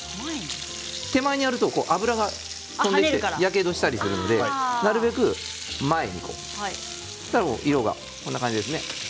手前にやると油が跳ねてヤケドしたりするのでなるべく前に。そうしたら色がこんな感じですね。